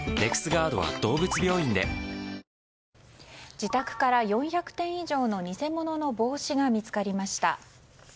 自宅から４００点以上の偽物の帽子が見つかりました。